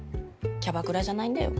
キャバクラじゃないんだよ。